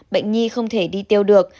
bệnh nhi không thể đi tiêu được